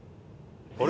あれ？